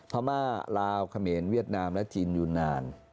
พม่าลาวเขมรเวียดนามและจีนยูนาน